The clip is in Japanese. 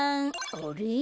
あれ？